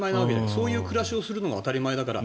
そういう暮らしをするのが当たり前だから。